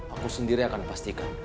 aku sendiri akan pastikan